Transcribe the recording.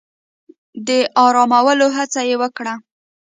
د آرامولو هڅه يې وکړه.